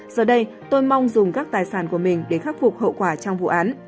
giờ đây tôi mong dùng các tài sản của mình để khắc phục hậu quả trong vụ án